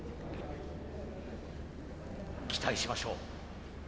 期待しましょう。